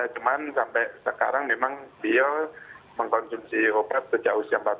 cuman sampai sekarang memang beliau mengkonsumsi obat sejak usia empat belas